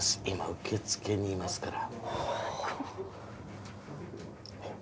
今受けつけにいますから。